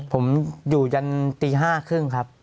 ผมอยู่จนตี๕ครึ่งครับ